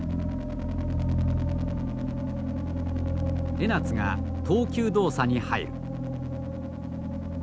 江夏が投球動作に入る。